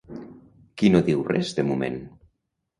Qui no diu res de moment?